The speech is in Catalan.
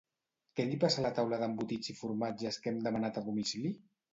Què li passa a la taula d'embotits i formatges que hem demanat a domicili?